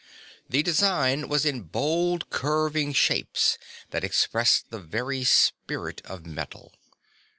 The design was in bold curving shapes that expressed the very spirit of metal.